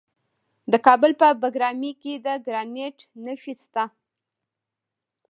د کابل په بګرامي کې د ګرانیټ نښې شته.